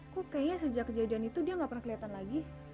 kok kayaknya sejak kejadian itu dia nggak pernah kelihatan lagi